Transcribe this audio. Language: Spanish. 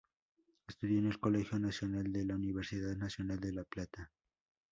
Estudió en el Colegio Nacional de la Universidad Nacional de La Plata.